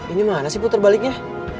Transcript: ini mana sih puter baliknya